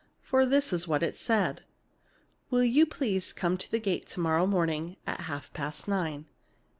For this is what it said: Will you please come to the gate to morrow morning at half past nine?